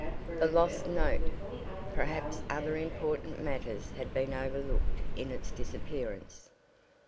The lost note! Perhaps other important matters had been overlooked in its disappearance.